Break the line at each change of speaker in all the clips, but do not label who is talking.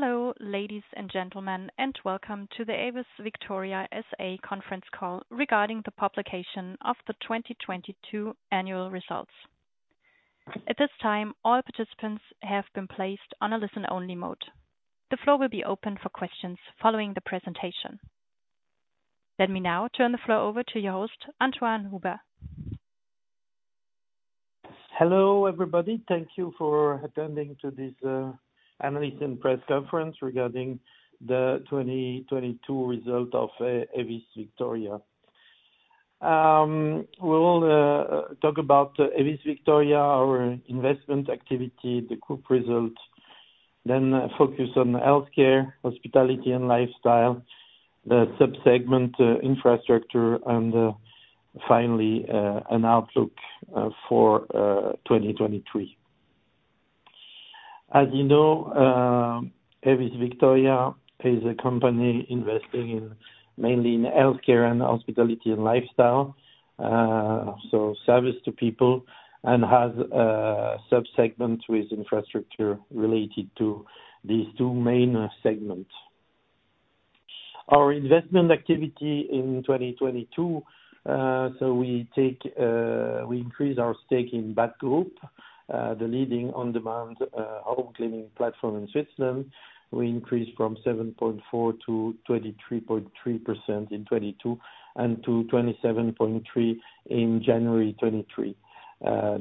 Hello, ladies and gentlemen, and welcome to the AEVIS VICTORIA SA conference call regarding the publication of the 2022 annual results. At this time, all participants have been placed on a listen-only mode. The floor will be open for questions following the presentation. Let me now turn the floor over to your host, Antoine Hubert.
Hello, everybody. Thank you for attending to this analyst and press conference regarding the 2022 result of AEVIS VICTORIA. We will talk about AEVIS VICTORIA, our investment activity, the group results, then focus on healthcare, hospitality, and lifestyle, the sub-segment infrastructure, and finally, an outlook for 2023. As you know, AEVIS VICTORIA is a company investing mainly in healthcare and hospitality and lifestyle, so service to people, and has a sub-segment with infrastructure related to these two main segments. Our investment activity in 2022. We increased our stake in Batgroup, the leading on-demand home cleaning platform in Switzerland. We increased from 7.4% to 23.3% in 2022, and to 27.3% in January 2023.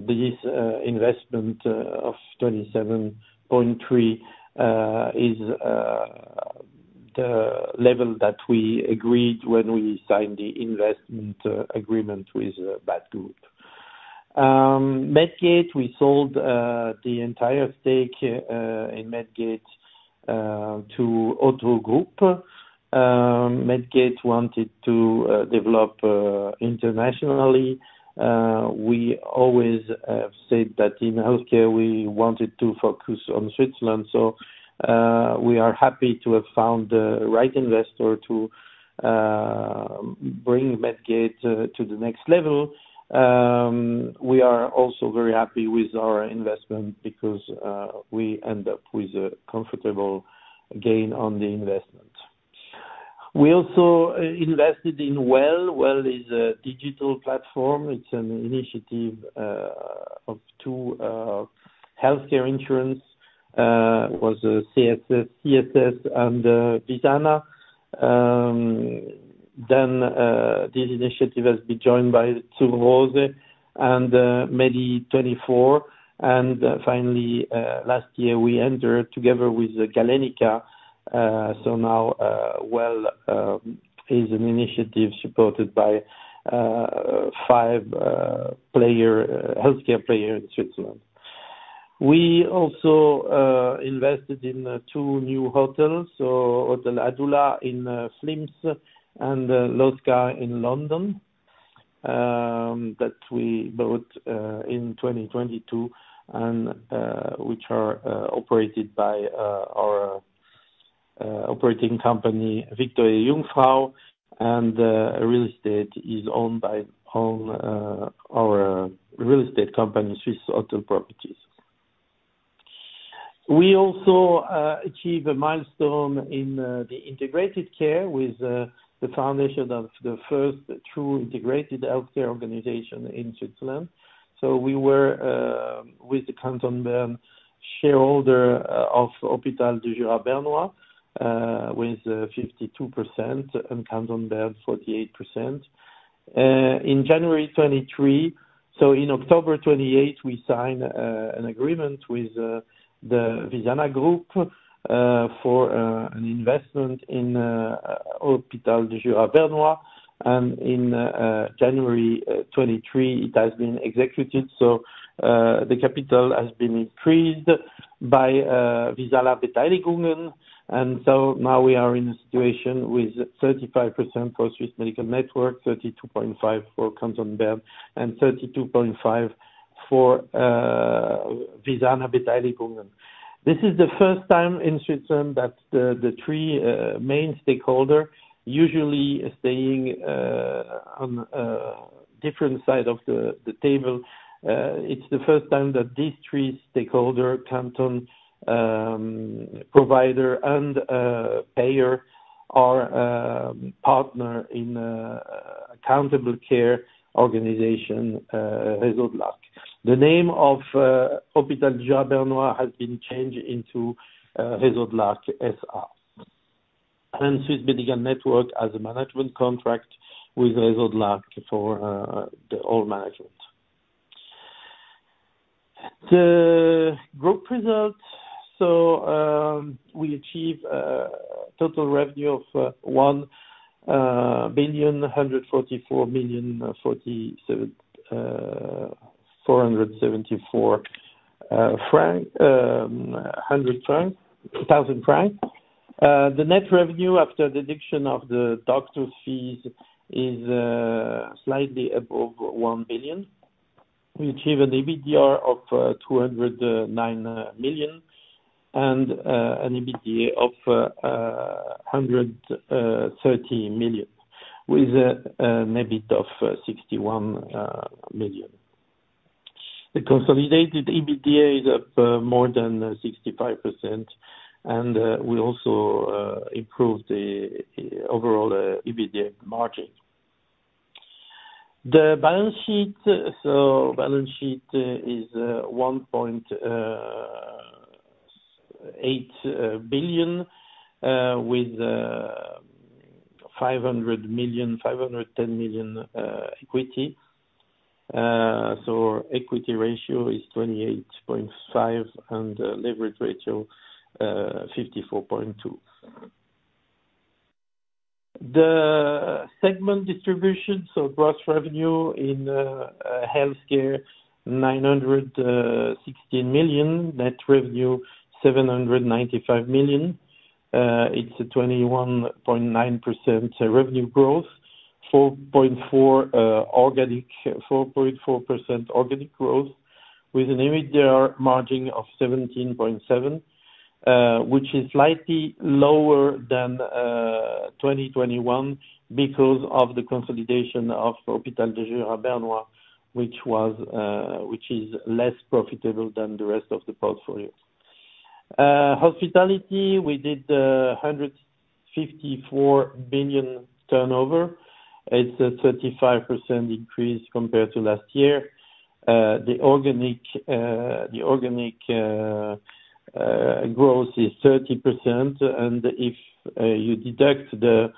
This investment of 27.3% is the level that we agreed when we signed the investment agreement with Batgroup. Medgate. We sold the entire stake in Medgate to Otto Group. Medgate wanted to develop internationally. We always have said that in healthcare, we wanted to focus on Switzerland, we are happy to have found the right investor to bring Medgate to the next level. We are also very happy with our investment because we end up with a comfortable gain on the investment. We also invested in Well. Well is a digital platform. It is an initiative of two healthcare insurers, was CSS and Visana. This initiative has been joined by Suva and Medi24. Finally, last year we entered together with Galenica. Now Well is an initiative supported by five healthcare players in Switzerland. We also invested in two new hotels. Hotel Adula in Flims and L'oscar in London, that we bought in 2022 and which are operated by our operating company, Victoria-Jungfrau. Real estate is owned by our real estate company, Swiss Hotel Properties. We also achieved a milestone in the integrated care with the foundation of the first true integrated healthcare organization in Switzerland. We were, with the Canton Bern, shareholder of Hôpitaux du Jura bernois, with 52%, and Canton Bern, 48%. In October 28th, we signed an agreement with the Visana Group for an investment in Hôpitaux du Jura bernois, and in January 2023, it has been executed. The capital has been increased by Visana Beteiligungen. Now we are in a situation with 35% for Swiss Medical Network, 32.5% for Canton Bern, and 32.5% for Visana Beteiligungen. This is the first time in Switzerland that the three main stakeholders usually staying on different sides of the table. It is the first time that these three stakeholders, canton, provider, and payer are partner in accountable care organization, Réseau de l'Arc. The name of Hôpital du Jura bernois has been changed into Réseau de l'Arc SA. Swiss Medical Network has a management contract with Réseau de l'Arc SA for the whole management. The group results. We achieved a total revenue of 1,144,000,474 francs. The net revenue after the deduction of the doctor's fees is slightly above 1 billion. We achieve an EBITDA of 209 million and an EBITA of 130 million, with an EBIT of 61 million. The consolidated EBITDA is up more than 65%, and we also improved the overall EBITDA margin. The balance sheet is 1.8 billion with 510 million equity. Equity ratio is 28.5% and leverage ratio, 54.2%. The segment distribution, gross revenue in healthcare, 916 million. Net revenue, 795 million. It is a 21.9% revenue growth, 4.4% organic growth with an EBITDA margin of 17.7%, which is slightly lower than 2021 because of the consolidation of Hôpital du Jura bernois, which is less profitable than the rest of the portfolios. Hospitality, we did 154 million turnover. It is a 35% increase compared to last year. The organic growth is 30%, and if you deduct the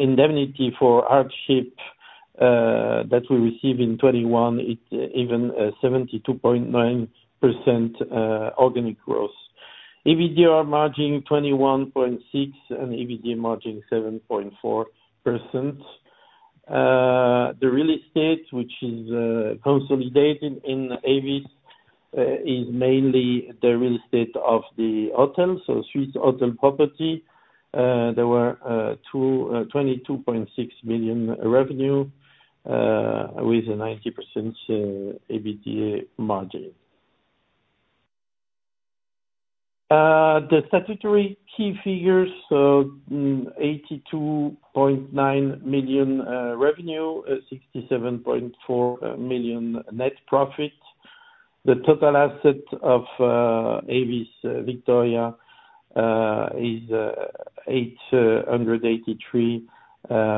indemnity for hardship that we receive in 2021, it is even 72.9% organic growth. EBITDA margin 21.6% and EBIT margin 7.4%. The real estate, which is consolidated in AEVIS, is mainly the real estate of the hotel, Swiss Hotel Properties SA. There were 22.6 million revenue, with a 90% EBITDA margin. The statutory key figures, 82.9 million revenue, 67.4 million net profit. The total asset of AEVIS VICTORIA is 883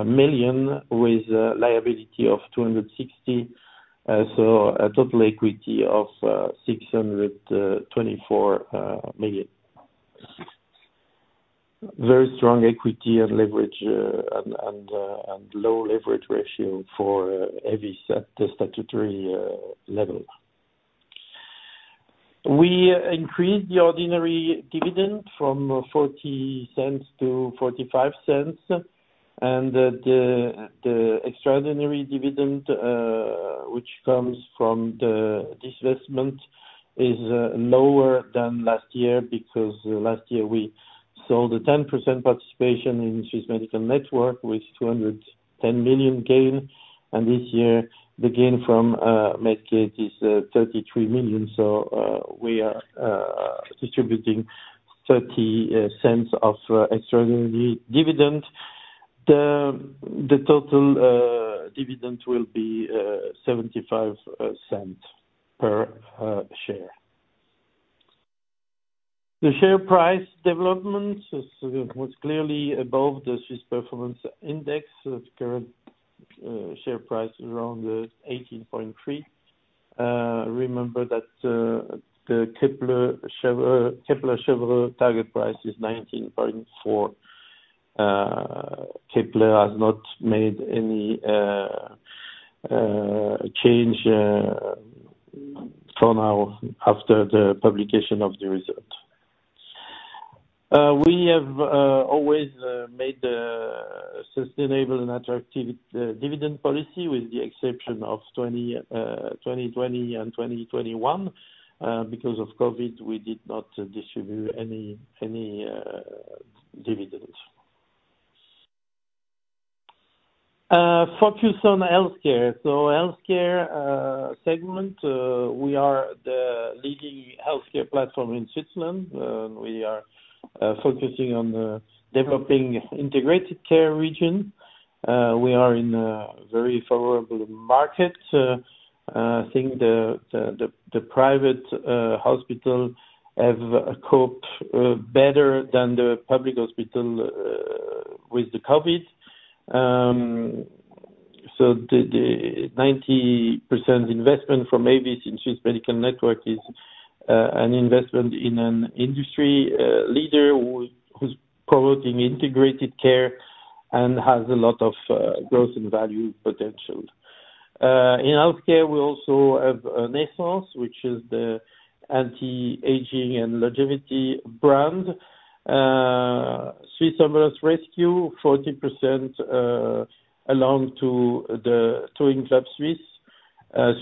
million, with a liability of 260 million. A total equity of 624 million. Strong equity and low leverage ratio for AEVIS at the statutory level. We increased the ordinary dividend from 0.40 to 0.45. The extraordinary dividend, which comes from the divestment, is lower than last year because last year we sold a 10% participation in Swiss Medical Network with 210 million gain. This year, the gain from Medgate is 33 million. We are distributing 0.30 of extraordinary dividend. The total dividend will be 0.75 per share. The share price development was clearly above the Swiss Performance Index. The current share price is around 18.3. The Kepler Cheuvreux target price is 19.4. Kepler Cheuvreux has not made any change for now after the publication of the result. We have always made a sustainable and attractive dividend policy with the exception of 2020 and 2021. Because of COVID, we did not distribute any dividends. Focus on healthcare. Healthcare segment, we are the leading healthcare platform in Switzerland. We are focusing on developing integrated care region. We are in a very favorable market. I think the private hospital have coped better than the public hospital with the COVID. The 90% investment from AEVIS in Swiss Medical Network is an investment in an industry leader who is promoting integrated care and has a lot of growth and value potential. In healthcare, we also have Nescens, which is the anti-aging and longevity brand. Swiss Ambulance Rescue, 40% belong to the Touring Club Suisse.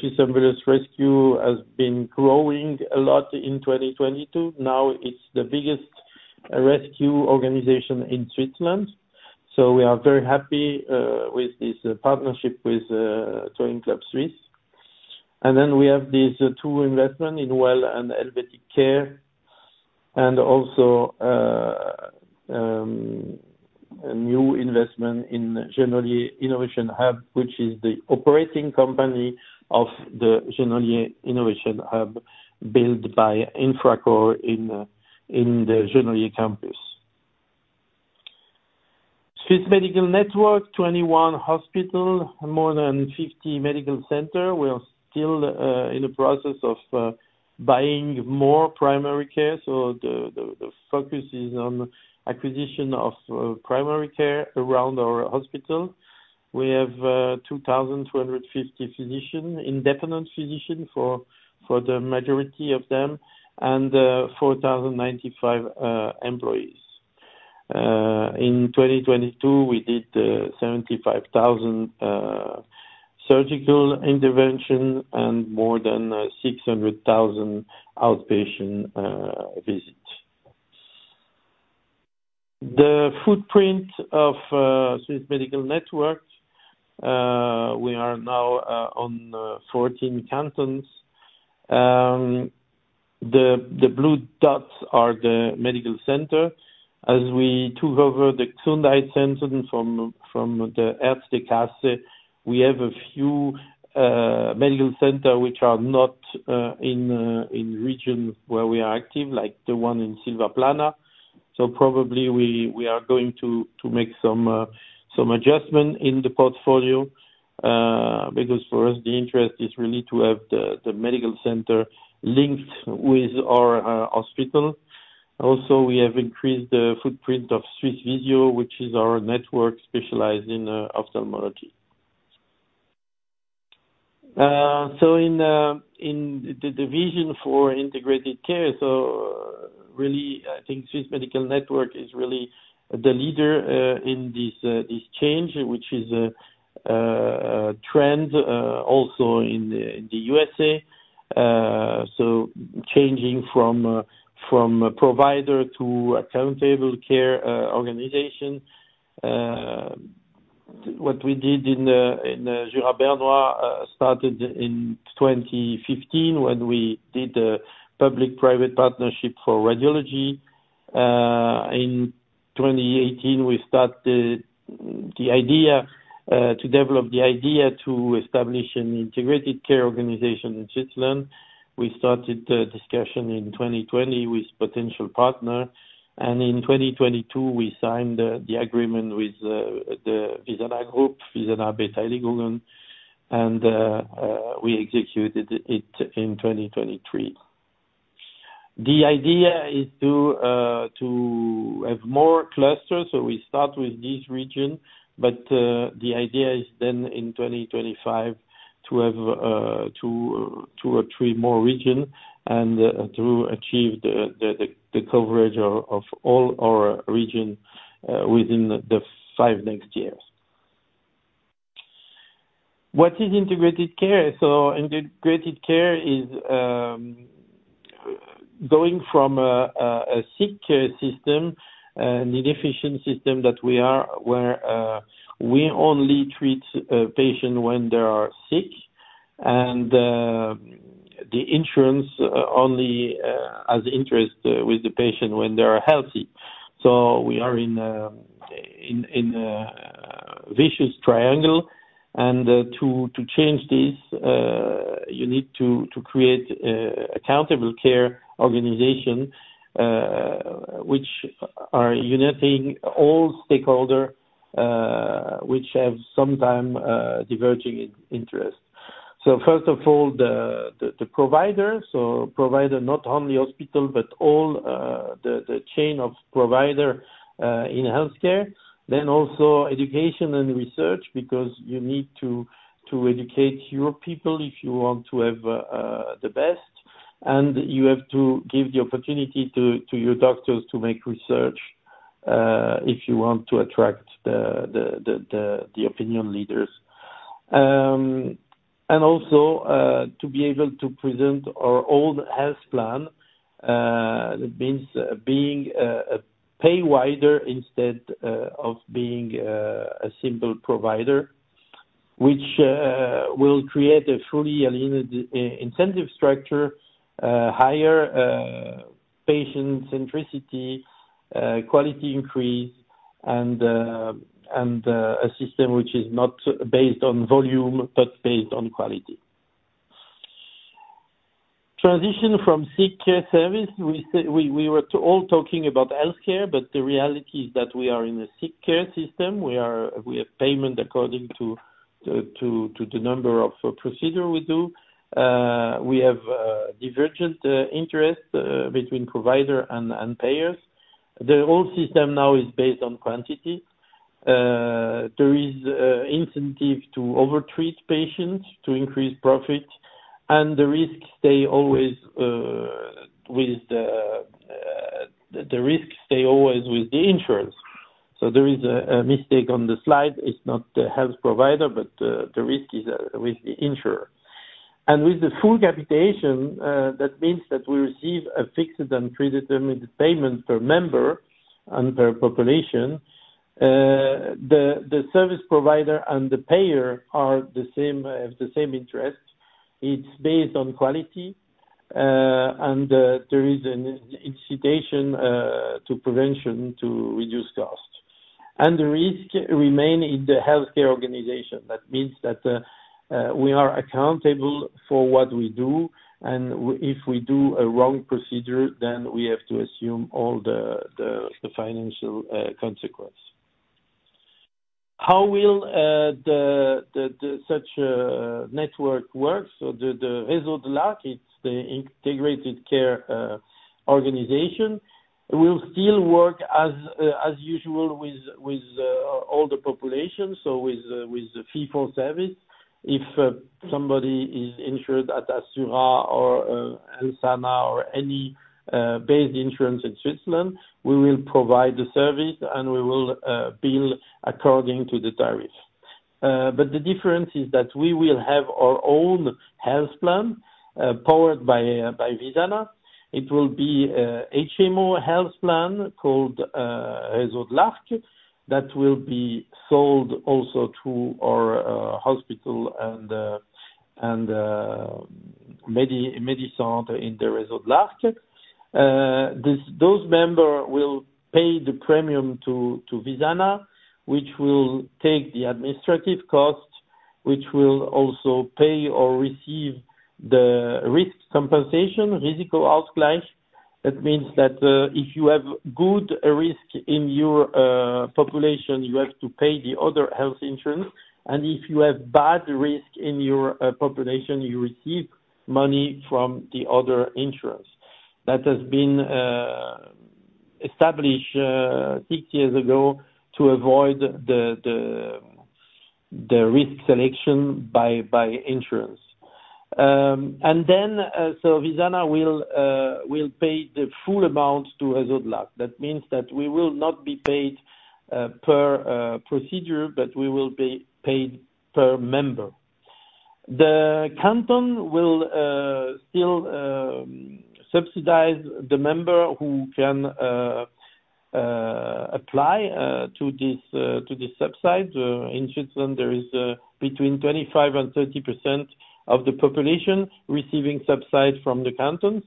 Swiss Ambulance Rescue has been growing a lot in 2022. Now it is the biggest rescue organization in Switzerland. We are very happy with this partnership with Touring Club Suisse. We have these two investments in Well and Helvetic Care. Also a new investment in Genolier Innovation Hub, which is the operating company of the Genolier Innovation Hub built by Infracore in the Genolier campus. Swiss Medical Network, 21 hospital, more than 50 medical center. We are still in the process of buying more primary care, so the focus is on acquisition of primary care around our hospital. We have 2,250 independent physician for the majority of them, and 4,095 employees. In 2022, we did 75,000 surgical intervention and more than 600,000 outpatient visit. The footprint of Swiss Medical Network, we are now on 14 cantons. The blue dots are the medical center. As we took over the Gesundheitszentren from the Ersatzkasse, we have a few medical center which are not in region where we are active, like the one in Silvaplana. Probably we are going to make some adjustment in the portfolio, because for us, the interest is really to have the medical center linked with our hospital. Also we have increased the footprint of Swiss Visio, which is our network specialized in ophthalmology. In the division for integrated care, I think Swiss Medical Network is really the leader in this change, which is a trend also in the USA. Changing from provider to accountable care organization. What we did in Jura Bernois started in 2015 when we did a public-private partnership for radiology. In 2018, we started to develop the idea to establish an integrated care organization in Switzerland. We started the discussion in 2020 with potential partner, and in 2022, we signed the agreement with the Visana group, Visana Beteiligungen, and we executed it in 2023. The idea is to have more clusters. We start with this region, but the idea is then in 2025 to have two or three more region, and to achieve the coverage of all our region within the five next years. What is integrated care? Integrated care is going from a sick care system, an inefficient system that we are, where we only treat a patient when they are sick, and the insurance only has interest with the patient when they are healthy. We are in a vicious triangle, and to change this, you need to create accountable care organization, which are uniting all stakeholder, which have sometime diverging interest. First of all, the provider. Provider, not only hospital, but all the chain of provider in healthcare. Then also education and research, because you need to educate your people if you want to have the best. You have to give the opportunity to your doctors to make research, if you want to attract the opinion leaders. Also, to be able to present our own health plan, that means being a payer instead of being a simple provider, which will create a fully aligned incentive structure, higher patient centricity, quality increase, and a system which is not based on volume, but based on quality. Transition from sick care service. We were all talking about healthcare, but the reality is that we are in a sick care system. We have payment according to the number of procedure we do. We have divergent interest between provider and payers. The whole system now is based on quantity. There is incentive to over-treat patients to increase profit, and the risk stay always with the insurance. There is a mistake on the slide. It's not the health provider, but the risk is with the insurer. With the full capitation, that means that we receive a fixed and predetermined payment per member and per population. The service provider and the payer have the same interest. It's based on quality, and there is an incitation to prevention to reduce costs. The risk remain in the healthcare organization. That means that we are accountable for what we do, and if we do a wrong procedure, then we have to assume all the financial consequence. How will such a network work? The Réseau de l'Arc, it's the integrated care organization, will still work as usual with all the population, with fee-for-service. If somebody is insured at Assura or Helsana or any base insurance in Switzerland, we will provide the service, and we will bill according to the tariff. The difference is that we will have our own health plan powered by Visana. It will be a HMO health plan called Réseau de l'Arc that will be sold also to our hospital and Medicentre in the Réseau de l'Arc. Those member will pay the premium to Visana, which will take the administrative cost, which will also pay or receive the risk compensation, Risikoausgleich. That means that if you have good risk in your population, you have to pay the other health insurance, and if you have bad risk in your population, you receive money from the other insurance. That has been established six years ago to avoid the risk selection by insurance. Visana will pay the full amount to Réseau de l'Arc. That means that we will not be paid per procedure, but we will be paid per member. The canton will still subsidize the member who can apply to this subsidy. In Switzerland, there is between 25%-30% of the population receiving subsidy from the cantons.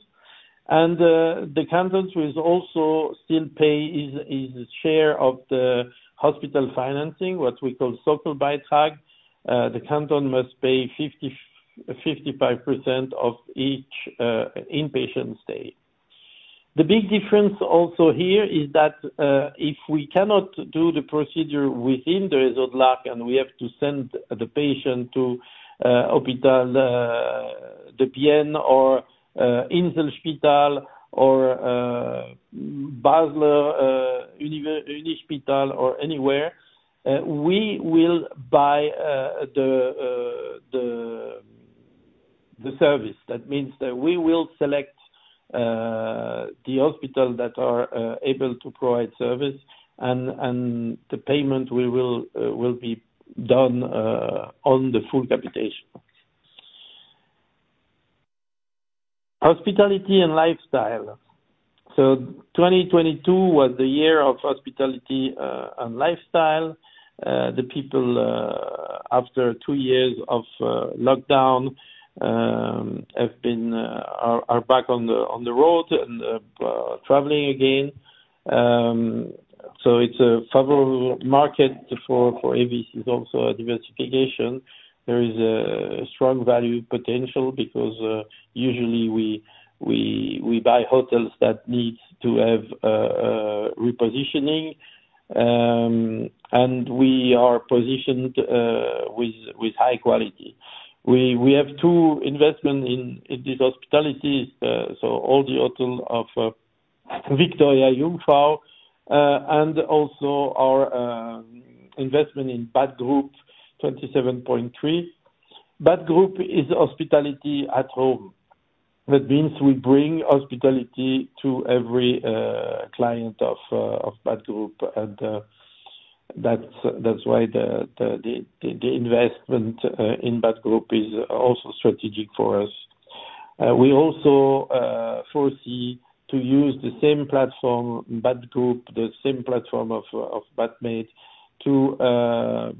The cantons will also still pay his share of the hospital financing, what we call Sozialbeitrag. The canton must pay 55% of each inpatient stay. The big difference also here is that if we cannot do the procedure within the Réseau de l'Arc and we have to send the patient to Hôpital de Bienne or Inselspital or Universitätsspital Basel or anywhere, we will buy the service. That means that we will select the hospital that are able to provide service, and the payment will be done on the full capitation. Hospitality and lifestyle. 2022 was the year of hospitality and lifestyle. The people, after two years of lockdown, are back on the road and are traveling again. It's a favorable market for AEVIS, it's also a diversification. There is a strong value potential because usually we buy hotels that needs to have repositioning, and we are positioned with high quality. We have two investment in this hospitality. All the hotel of Victoria-Jungfrau and also our investment in Batgroup, 27.3%. Batgroup is hospitality at home. That means we bring hospitality to every client of Batgroup, and that's why the investment in Batgroup is also strategic for us. We also foresee to use the same platform, Batgroup, the same platform of Batmaid to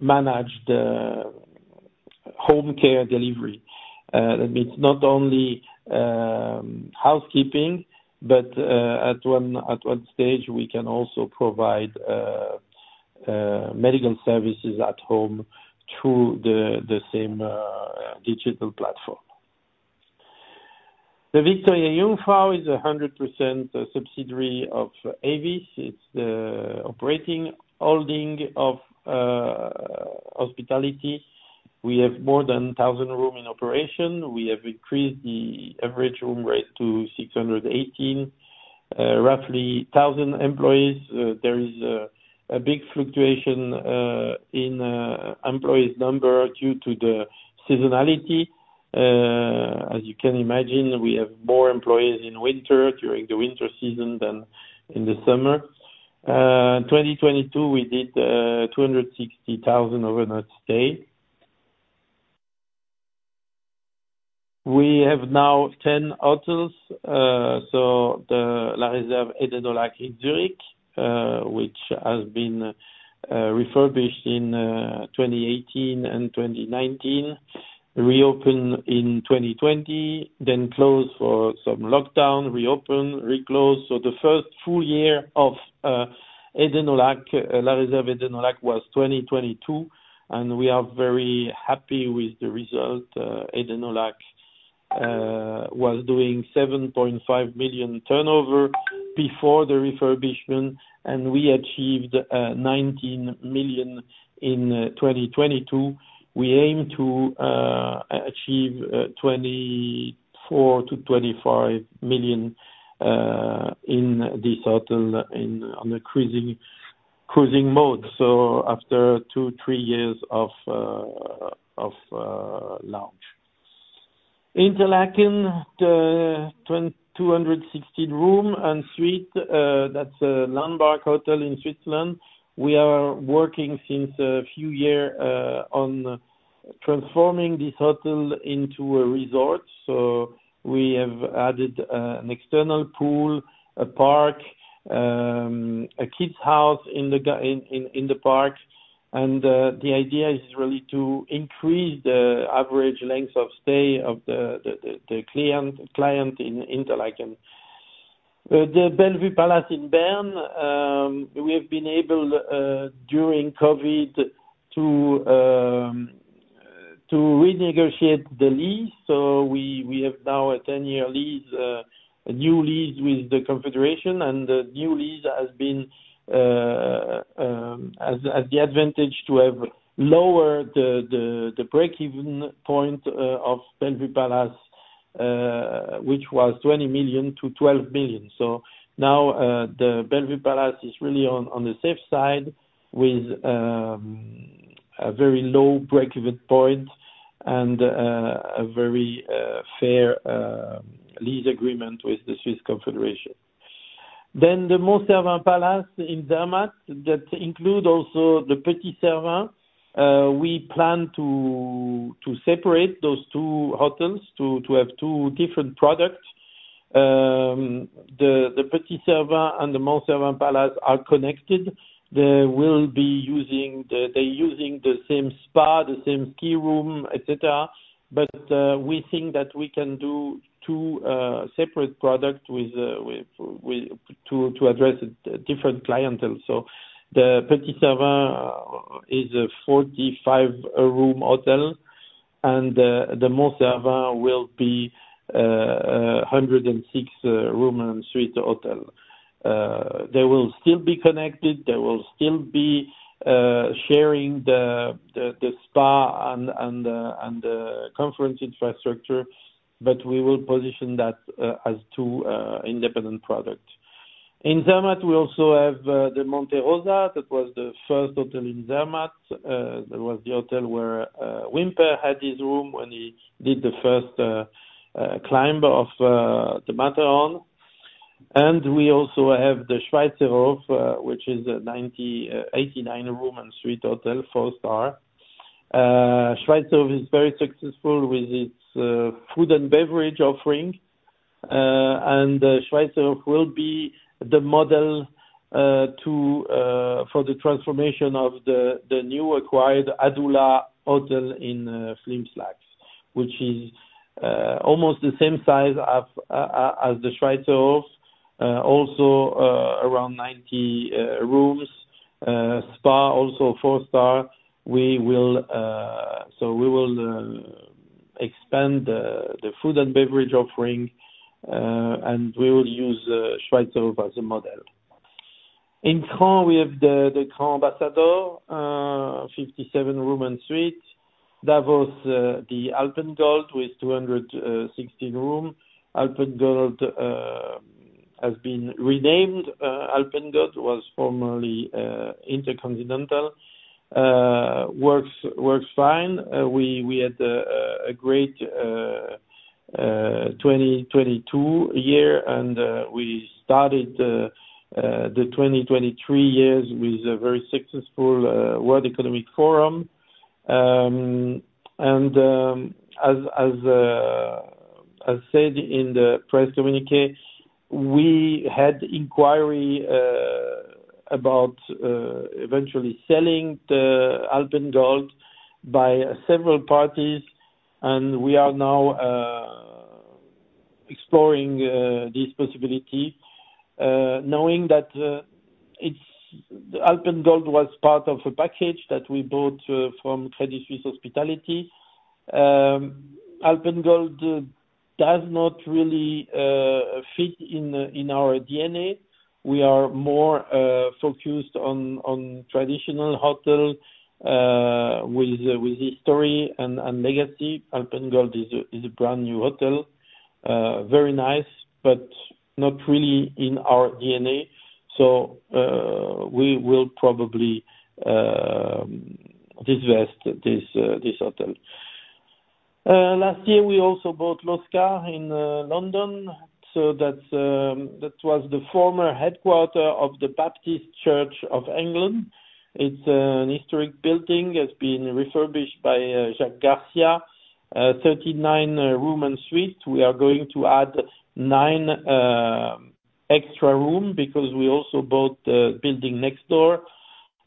manage the home care delivery. That means not only housekeeping, but at one stage, we can also provide medical services at home through the same digital platform. The Victoria-Jungfrau is 100% subsidiary of AEVIS. It's the operating holding of hospitality. We have more than 1,000 room in operation. We have increased the average room rate to 618. Roughly 1,000 employees. There is a big fluctuation in employee number due to the seasonality. As you can imagine, we have more employees in winter during the winter season than in the summer. In 2022, we did 260,000 overnight stays. We have now 10 hotels. The La Réserve Eden au Lac in Zurich, which has been refurbished in 2018 and 2019, reopened in 2020, then closed for some lockdown, reopened, reclosed. The first full year of La Réserve Eden au Lac was 2022, and we are very happy with the result. Eden au Lac was doing 7.5 million turnover before the refurbishment, and we achieved 19 million in 2022. We aim to achieve 24 million to 25 million in this hotel on the cruising mode. After two, three years of launch. Interlaken, the 216-room and suite, that's a landmark hotel in Switzerland. We are working since a few years on transforming this hotel into a resort. We have added an external pool, a park, a kids house in the park. The idea is really to increase the average length of stay of the client in Interlaken. The Bellevue Palace in Bern, we have been able, during COVID, to renegotiate the lease. We have now a 10-year lease, a new lease with the Confederation, and the new lease has the advantage to have lowered the breakeven point of Bellevue Palace, which was 20 million to 12 million. Now, the Bellevue Palace is really on the safe side with a very low breakeven point and a very fair lease agreement with the Swiss Confederation. The Mont Cervin Palace in Zermatt, that include also the Le Petit Cervin. We plan to separate those two hotels to have two different products. The Le Petit Cervin and the Mont Cervin Palace are connected. They're using the same spa, the same ski room, et cetera. We think that we can do two separate products to address different clientele. The Le Petit Cervin is a 45-room hotel, and the Mont Cervin will be a 106-room and suite hotel. They will still be connected. They will still be sharing the spa and the conference infrastructure, but we will position that as two independent products. In Zermatt, we also have the Hotel Monte Rosa. That was the first hotel in Zermatt. That was the hotel where Whymper had his room when he did the first climb of the Matterhorn. We also have the Schweizerhof, which is an 89-room and suite hotel, four-star. Schweizerhof is very successful with its food and beverage offering. Schweizerhof will be the model for the transformation of the newly acquired Hotel Adula in Flims, Laax, which is almost the same size as the Schweizerhof, also around 90 rooms. Spa also four-star. We will expand the food and beverage offering, and we will use Schweizerhof as a model. In Cannes, we have the Cannes Ambassador, 57-room and suite. Davos, the AlpenGold with 216 rooms. AlpenGold has been renamed. AlpenGold was formerly InterContinental. Works fine. We had a great 2022 year, and we started the 2023 years with a very successful World Economic Forum. As said in the press communiqué, we had inquiry about eventually selling the AlpenGold by several parties, and we are now exploring this possibility, knowing that the AlpenGold was part of a package that we bought from Credit Suisse Hospitality. AlpenGold does not really fit in our DNA. We are more focused on traditional hotel with history and legacy. AlpenGold is a brand-new hotel. Very nice, but not really in our DNA. We will probably divest this hotel. Last year, we also bought L'oscar in London. That was the former headquarter of the Baptist Church of England. It's an historic building, has been refurbished by Jacques Garcia, 39 room and suite. We are going to add Extra room because we also bought the building next door.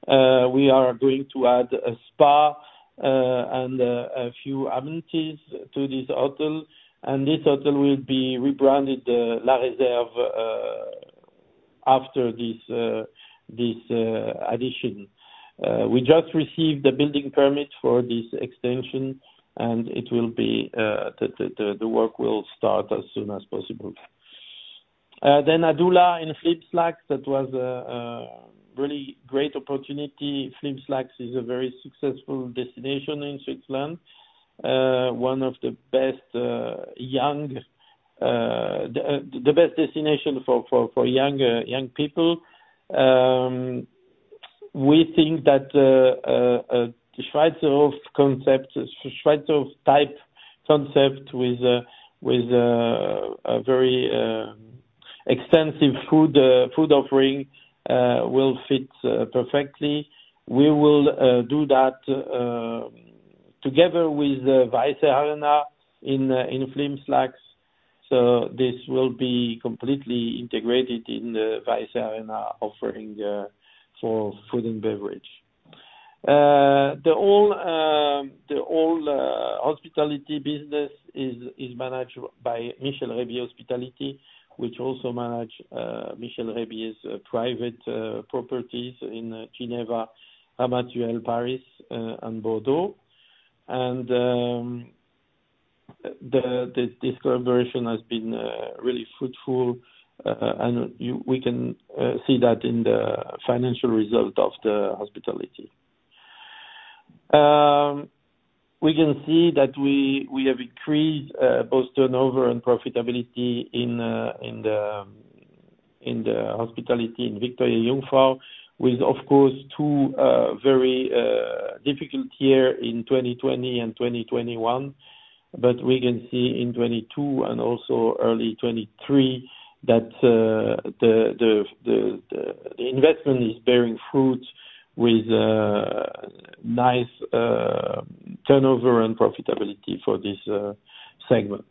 We are going to add a spa and a few amenities to this hotel, and this hotel will be rebranded La Réserve after this addition. We just received the building permit for this extension, and the work will start as soon as possible. Adula in Flims Laax, that was a really great opportunity. Flims Laax is a very successful destination in Switzerland. One of the best destination for young people. We think that the Schweizerhof type concept with a very extensive food offering will fit perfectly. We will do that together with the Weisse Arena in Flims Laax. This will be completely integrated in the Weisse Arena offering for food and beverage. The old hospitality business is managed by Michel Reybier Hospitality, which also manage Michel Reybier's private properties in Geneva, Ramatuelle, Paris, and Bordeaux. This collaboration has been really fruitful, and we can see that in the financial result of the hospitality. We can see that we have increased both turnover and profitability in the hospitality in Victoria-Jungfrau, with, of course, two very difficult year in 2020 and 2021. We can see in 2022 and also early 2023 that the investment is bearing fruit with nice turnover and profitability for this segment.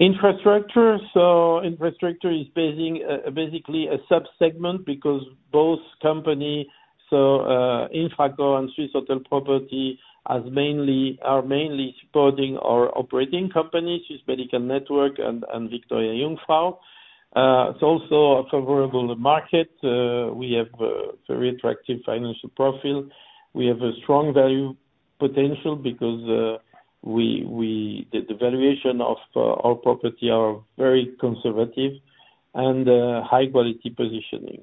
Infrastructure. Infrastructure is basically a sub-segment because both company, Infracore and Swiss Hotel Property, are mainly supporting our operating company, Swiss Medical Network and Victoria-Jungfrau. It's also a favorable market. We have very attractive financial profile. We have a strong value potential because the valuation of our property are very conservative and high quality positioning.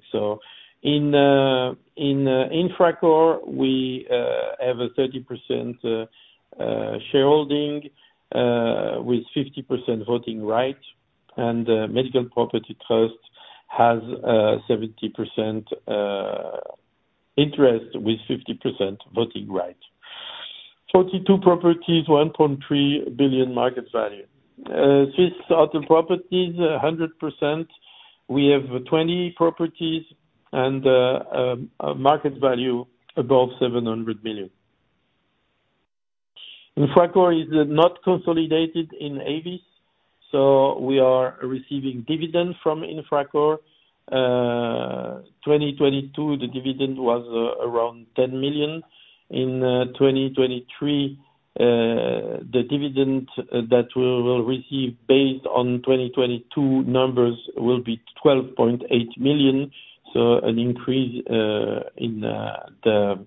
In Infracore, we have a 30% shareholding with 50% voting right. Medical Properties Trust has a 70% interest with 50% voting right. 42 properties, 1.3 billion market value. Swiss Hotel Properties, 100%. We have 20 properties and a market value above 700 million. Infracore is not consolidated in AEVIS, we are receiving dividend from Infracore. 2022, the dividend was around 10 million. In 2023, the dividend that we will receive based on 2022 numbers will be 12.8 million, an increase in the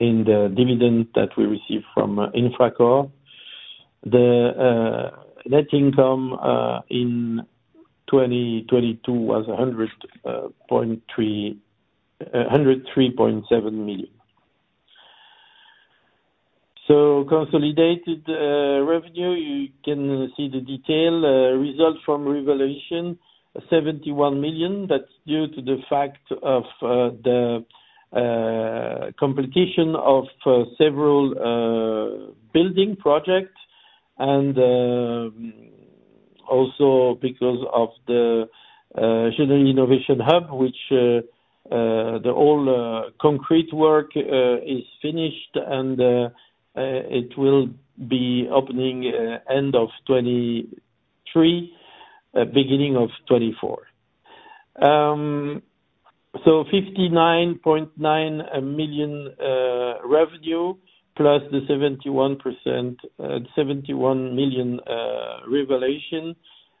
dividend that we receive from Infracore. The net income in 2022 was CHF 103.7 million. Consolidated revenue, you can see the detail. Result from revaluation, 71 million. That's due to the fact of the completion of several building projects and also because of the Genolier Innovation Hub, which the all concrete work is finished and it will be opening end of 2023, beginning of 2024. 59.9 million revenue plus the 71 million revaluation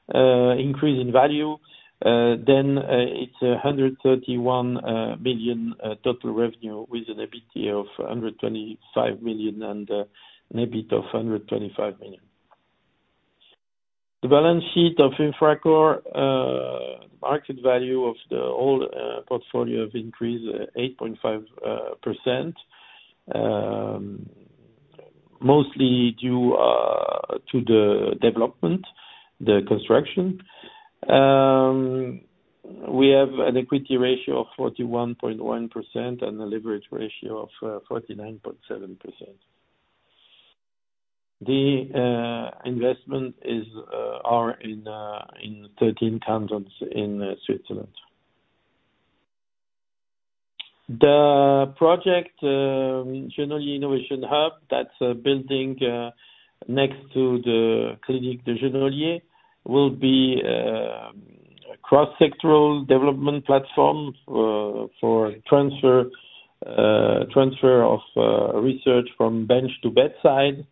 increase in value. It's 131 million total revenue with an EBITDA of 125 million and an EBIT of 125 million. The balance sheet of Infracore, market value of the whole portfolio have increased 8.5%, mostly due to the development, the construction. We have an equity ratio of 41.1% and a leverage ratio of 49.7%. The investments are in 13 cantons in Switzerland. The project, Genolier Innovation Hub, that is a building next to the Clinique de Genolier, will be a cross-sectoral development platform for transfer of research from bench to bedside,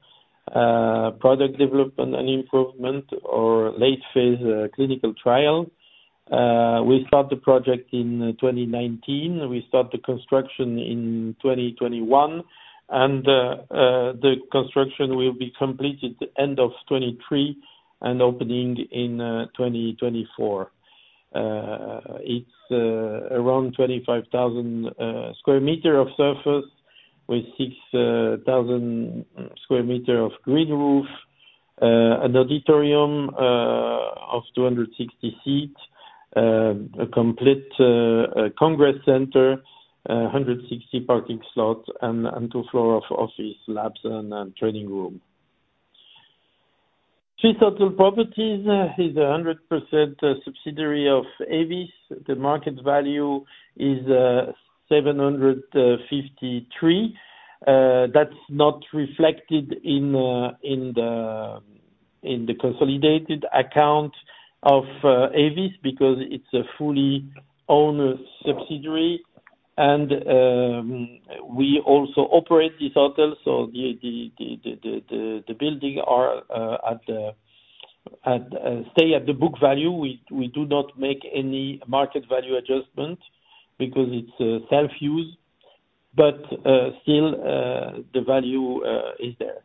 product development and improvement or late-phase clinical trial. We start the project in 2019. We start the construction in 2021. The construction will be completed end of 2023 and opening in 2024. It is around 25,000 sq m of surface with 6,000 sq m of green roof, an auditorium of 260 seats, a complete congress center, 160 parking slots and two floors of office labs and a training room. Swiss Hotel Properties is a 100% subsidiary of AEVIS. The market value is 753 million. That is not reflected in the consolidated account of AEVIS because it is a fully owned subsidiary. We also operate this hotel, so the buildings stay at the book value. We do not make any market value adjustment because it is self-use, but still the value is there.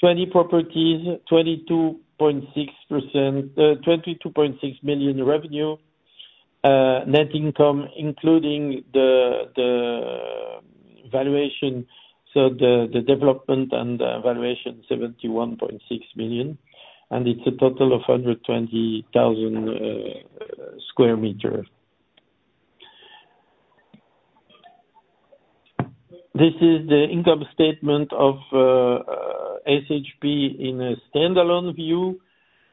20 properties, 22.6 million revenue. Net income, including the valuation, the development and the valuation 71.6 million. It is a total of 120,000 sq m. This is the income statement of SHP in a standalone view,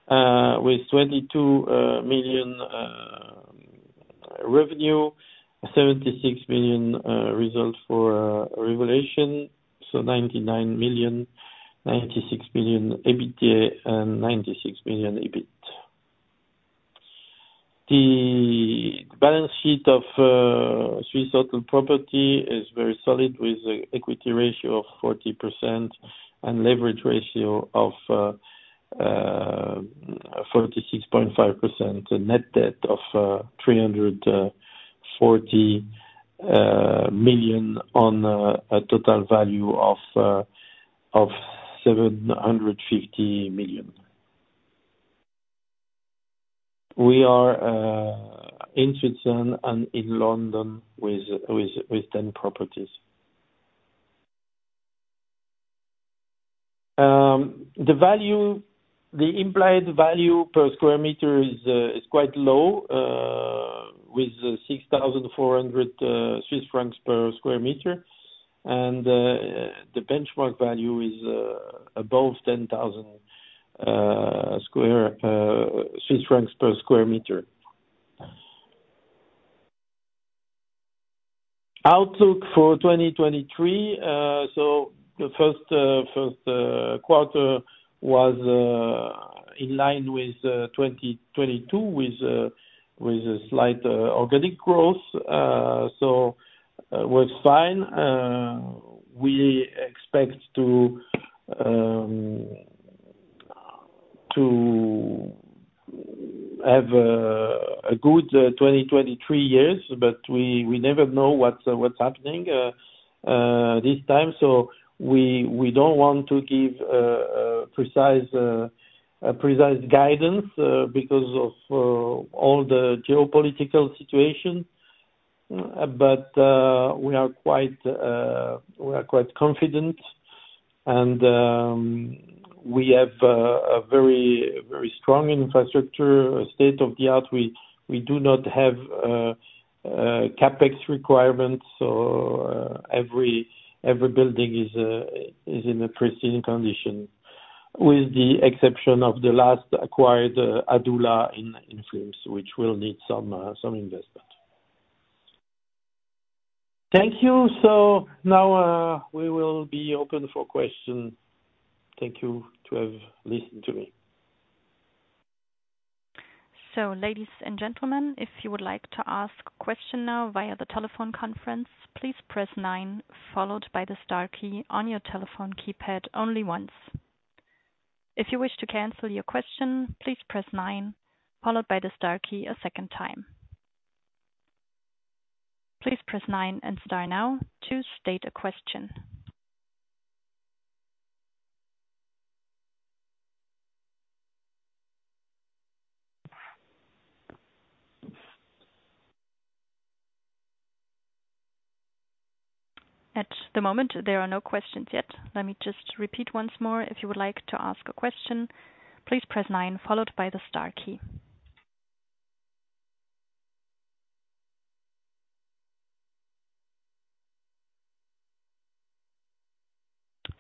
with 22 million revenue, 76 million result for revaluation, 99 million, 96 million EBITDA, and 96 million EBIT. The balance sheet of Swiss Hotel Properties is very solid, with equity ratio of 40% and leverage ratio of 46.5%. A net debt of 340 million on a total value of 750 million. We are in Switzerland and in London with 10 properties. The implied value per square meter is quite low, with CHF 6,400 per sq m. The benchmark value is above CHF 10,000 per sq m. Outlook for 2023. The first quarter was in line with 2022, with a slight organic growth. It was fine. We expect to have a good 2023 year, but we never know what is happening this time. We do not want to give precise guidance because of all the geopolitical situation. But we are quite confident and we have a very strong infrastructure, state-of-the-art. We do not have CapEx requirements, so every building is in a pristine condition, with the exception of the last acquired, Adula in Flims, which will need some investment. Thank you. Now we will be open for questions. Thank you for having listened to me.
Ladies and gentlemen, if you would like to ask a question now via the telephone conference, please press 9 followed by the star key on your telephone keypad only once. If you wish to cancel your question, please press 9 followed by the star key a second time. Please press 9 and star now to state a question. At the moment, there are no questions yet. Let me just repeat once more. If you would like to ask a question, please press 9 followed by the star key.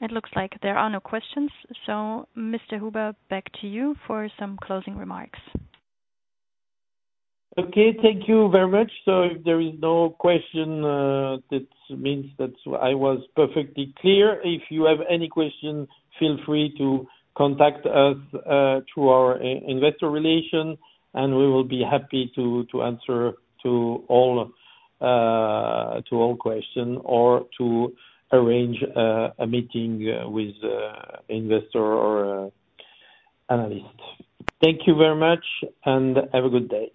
It looks like there are no questions. Mr. Hubert, back to you for some closing remarks.
Okay. Thank you very much. If there is no question, that means that I was perfectly clear. If you have any questions, feel free to contact us through our investor relation, and we will be happy to answer to all questions or to arrange a meeting with investor or analyst. Thank you very much and have a good day.